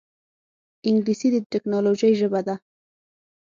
انګلیسي د ټکنالوجۍ ژبه ده